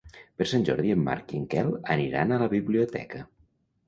Per Sant Jordi en Marc i en Quel aniran a la biblioteca.